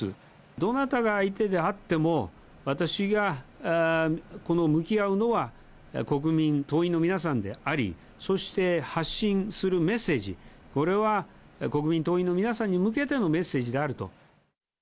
どなたが相手であっても、私が向き合うのは国民、党員の皆さんであり、そして、発信するメッセージ、これは国民、党員の皆さんに向けてのメッセージであると。